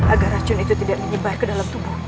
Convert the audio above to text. agar racun itu tidak menyebar ke dalam tubuh